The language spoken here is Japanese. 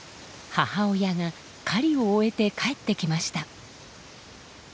母親が狩りを終えて帰ってきました。